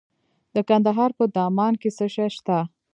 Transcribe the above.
د کندهار په دامان کې څه شی شته؟